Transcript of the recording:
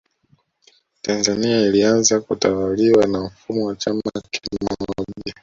Tanzania ilianza kutawaliwa na mfumo wa chama kimoja